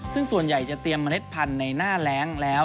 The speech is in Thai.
ซึ่งส่วนใหญ่จะเตรียมเมล็ดพันธุ์ในหน้าแรงแล้ว